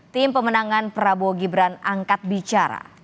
tim pemenangan prabowo gibran angkat bicara